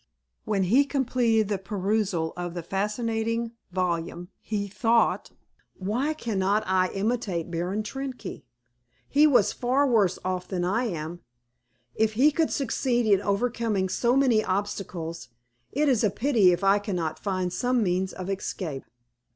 When he completed the perusal of the fascinating volume, he thought, "Why cannot I imitate Baron Trenck? He was far worse off than I am. If he could succeed in overcoming so many obstacles, it is a pity if I cannot find some means of escape."